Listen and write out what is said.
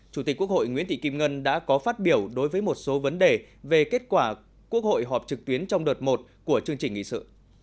chủ tịch quốc hội nguyễn thị kim ngân đã có phát biểu đối với một số vấn đề về kết quả quốc hội họp trực tuyến trong đợt một của chương trình nghị sự